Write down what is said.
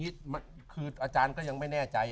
ผู้ชายก็ยังไม่แน่ใจ